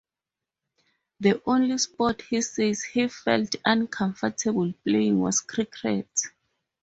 The only sport he says he felt uncomfortable playing was cricket.